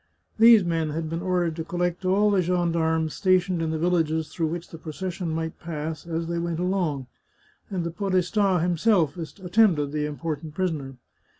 These men had been ordered to collect all the gendarmes stationed in the villages through which the procession might pass as they went along, and the podestd himself attended the im portant prisoner.